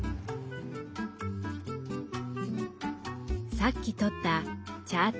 さっきとった「チャーテ」。